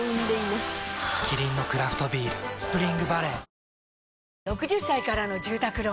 キリンのクラフトビール「スプリングバレー」